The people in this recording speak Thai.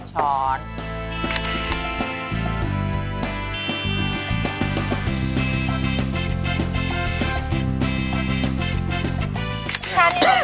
นั่งชัย๑ช้อนใช่